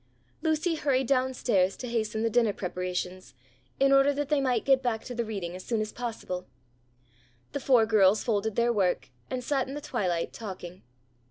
Lucy hurried down stairs to hasten the dinner preparations, in order that they might get back to the reading as soon as possible. The four girls folded their work, and sat in the twilight, talking.